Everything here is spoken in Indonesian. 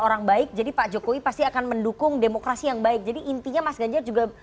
orang baik jadi pak jokowi pasti akan mendukung demokrasi yang baik jadi intinya mas ganjar juga